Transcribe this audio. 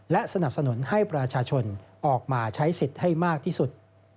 และสนับสนุนให้ประชาชนออกมาใช้สิทธิ์ให้มากที่สุด